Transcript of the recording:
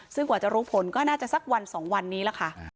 ซึ่งกว่าจะรู้ผลก็น่าจะสักวัน๒วันนี้ล่ะค่ะ